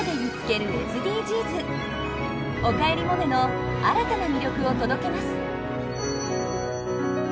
「おかえりモネ」の新たな魅力を届けます。